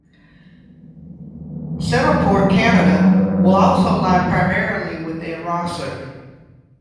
CentrePort Canada will also lie primarily within Rosser.